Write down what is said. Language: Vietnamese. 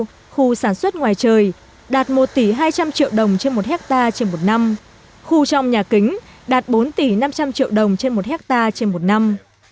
khu sản xuất ngoài trời đạt một tỷ hai trăm linh triệu đồng trên một hectare trên một năm khu trong nhà kính đạt bốn tỷ năm trăm linh triệu đồng trên một hectare trên một năm